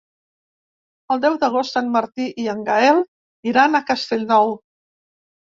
El deu d'agost en Martí i en Gaël iran a Castellnou.